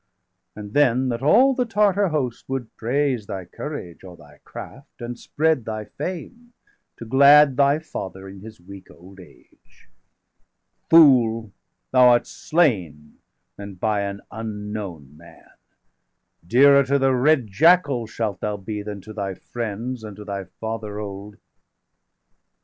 And then that all the Tartar host would praise Thy courage or thy craft, and spread thy fame, 535 To glad° thy father in his weak old age. °536 Fool, thou art slain, and by an unknown man! Dearer to the red jackals° shalt thou be °538 Than to thy friends, and to thy father old."